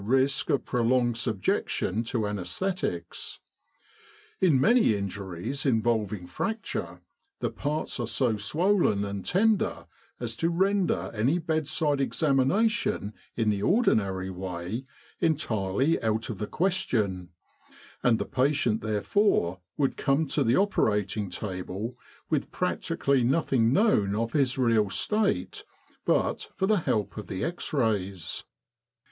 risk of prolonged subjection to anaes thetics. In many injuries involving fracture, the parts are so swollen and tender as to render any bedside examination in the ordinary way entirely out of the question; and the patient therefore would come to the operating table with practically nothing known of his real state but for the help of the X Rays.